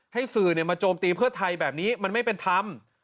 ให้สื่อมาโจมตีเพื่อไทยแบบนี้มันไม่เป็นธรรม